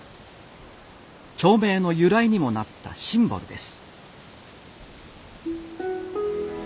町名の由来にもなったシンボルです。